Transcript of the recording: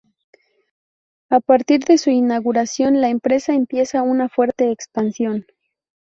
A partir de su inauguración, la empresa empieza una fuerte expansión.